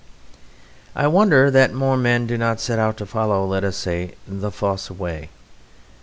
I wonder that more men do not set out to follow, let us say, the Fosse Way.